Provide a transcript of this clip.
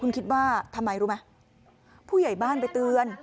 คุณคิดว่าทำไมรู้ไหมผู้ใหญ่บ้านไปเตือน